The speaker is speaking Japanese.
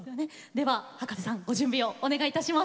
では葉加瀬さんご準備をお願いいたします。